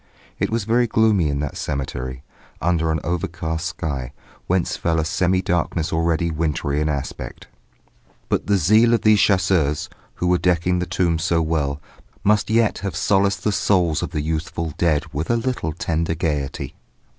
It was very gloomy in that cemetery, under an overcast sky, whence fell a semi darkness already wintry in aspect. But the zeal of these chasseurs, who were decking the tombs so well, must yet have solaced the souls of the youthful dead with a little tender gaiety.